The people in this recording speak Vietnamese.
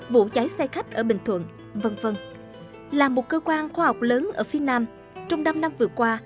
vụ cháy xe khách ở bình thuận v v là một cơ quan khoa học lớn ở phía nam trong năm năm vừa qua